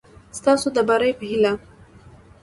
ستاسو د بري په هېله